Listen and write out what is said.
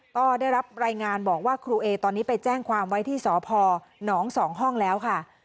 ก็ได้รับรายงานบอกว่าครูเอตอนนี้ไปแจ้งความไว้ที่สพหนอง๒ห้องแล้วค่ะ